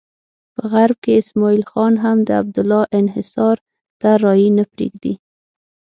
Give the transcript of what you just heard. په غرب کې اسماعیل خان هم د عبدالله انحصار ته رایې نه پرېږدي.